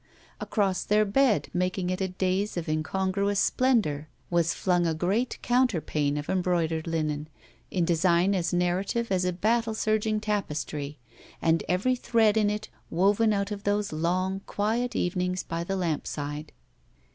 Across their bed, making it a dais of incongruous splendor, was flung a great counterpane of embroidered linen, in design as narrative as a battle surging tapestry and every thread in it wov^i out of these long, quiet evenings by the lamp side.